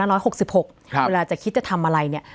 ห้าร้อยหกสิบหกครับเวลาจะคิดจะทำอะไรเนี่ย